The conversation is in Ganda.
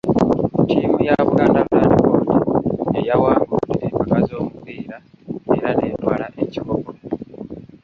Ttiimu ya Buganda Land Board y'eyawangudde empaka z'omupiira era n'etwala ekikopo.